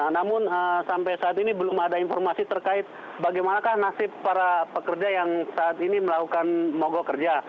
namun sampai saat ini belum ada informasi terkait bagaimana nasib para pekerja yang saat ini melakukan mogok kerja